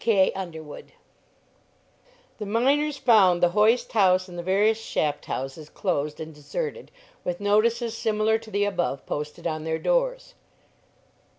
D. K. UNDERWOOD. The miners found the hoist house and the various shaft houses closed and deserted, with notices similar to the above posted on their doors.